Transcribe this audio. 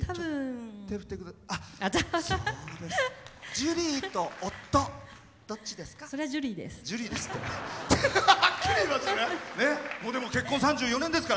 ジュリーと夫どっちですか？